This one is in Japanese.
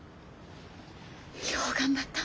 よう頑張った。